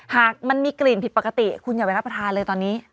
หากมันมีกลิ่นผิดปกติคุณอย่าไปรับประทานเลยตอนนี้